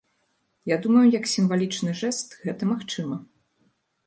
Я думаю, як сімвалічны жэст гэта магчыма.